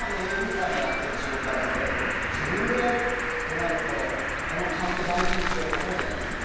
ＡＤさんがやってる仕事なんですけどやっぱ自分でやるとなるとこのカンペ大事にしようって思うじゃないですか。